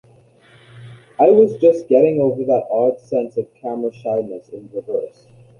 I was just getting over that odd sense of camera shyness in reverse.